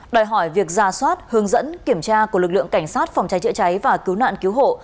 đòi hỏi việc ra soát hướng dẫn kiểm tra của lực lượng cảnh sát phòng cháy chữa cháy và cứu nạn cứu hộ